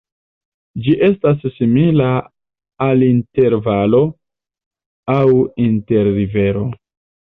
Ĝi estas simila al inter-valo aŭ inter-rivero.